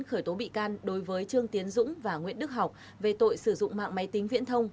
khởi tố bị can đối với trương tiến dũng và nguyễn đức học về tội sử dụng mạng máy tính viễn thông